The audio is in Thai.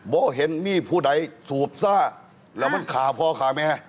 เห็นมีผู้ใดสูบซ่าแล้วมันขาพอขาไหมฮะ